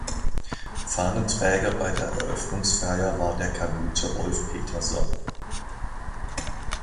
Fahnenträger bei der Eröffnungsfeier war der Kanute Rolf Peterson.